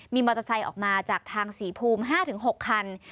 มีมอเตอร์ไซต์ออกมาจากทางสีภูมิห้าถึงหกคัน